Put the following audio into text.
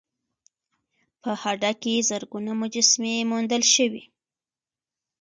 په هډه کې زرګونه مجسمې موندل شوي